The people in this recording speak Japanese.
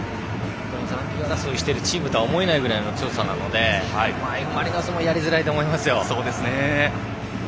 残留争いをしているチームとは思えないくらいの強さなのでマリノスもやりづらいと思います。